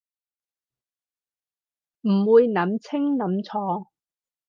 唔會諗清諗楚